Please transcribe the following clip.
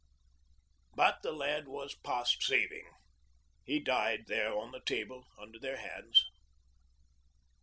But the lad was past saving. He died there on the table under their hands.